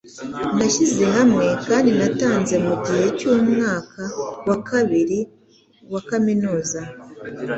nashyize hamwe kandi natanze mugihe cyumwaka wa kabiri wa kaminuza